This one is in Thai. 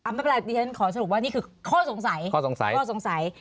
อัมปรับลักษณ์ขอสมบัติว่านี่คือข้อสงสัย